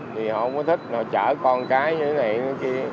vì họ không có thích mà chở con cái như thế này như thế kia